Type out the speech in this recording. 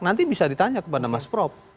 nanti bisa ditanya kepada mas prop